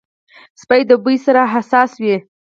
سپي د بوی سره حساس وي.